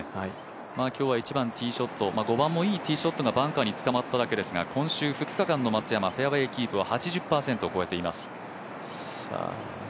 今日は１番ティーショット５番はバンカーにつかまっただけですが今週２日間の松山フェアウエーキープは８０％を超えています。